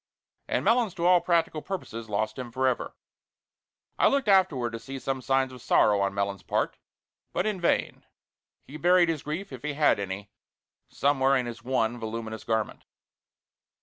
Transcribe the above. and Melons to all practical purposes lost him forever. I looked afterward to see some signs of sorrow on Melons' part, but in vain; he buried his grief, if he had any, somewhere in his one voluminous garment.